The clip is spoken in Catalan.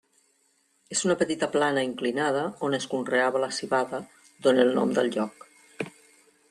És una petita plana inclinada on es conreava la civada, d'on el nom del lloc.